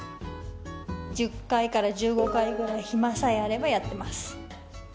１０回から１５回くらい暇さえあればやってます。